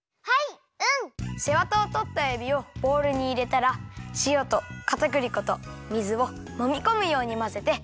せわたをとったえびをボウルにいれたらしおとかたくり粉と水をもみこむようにまぜて。